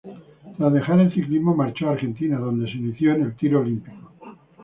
Tras dejar el ciclismo marchó a Argentina, donde se inició en el tiro olímpico.